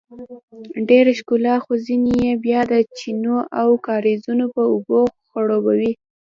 ډیره ښکلا خو ځینې یې بیا د چینو او کاریزونو په اوبو خړوبیږي.